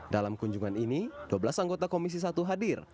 dalam kunjungan ini dua belas anggota komisi satu hadir